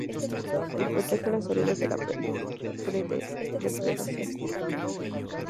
Y protegen a las orugas de la predación.